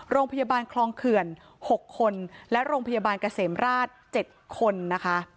โรงพยาบาลคลองเขื่อน๖คนและโรงพยาบาลเกษมราช๗คนนะคะ